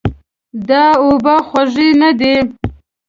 دا اوبه خوږې نه دي.